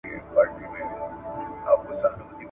آیا د ټولنیزې عواطفې د څیړنې له پلوه انډول مهم دی؟